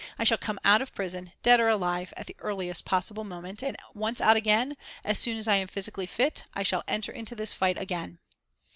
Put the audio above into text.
I shall come out of prison, dead or alive, at the earliest possible moment; and once out again, as soon as I am physically fit I shall enter into this fight again.